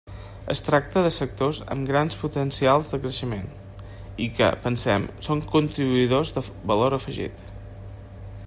Es tracta de sectors amb grans potencials de creixement, i que, pensem, són contribuïdors de valor afegit.